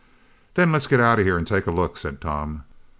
"Then let's get out of here and take a look," said Tom.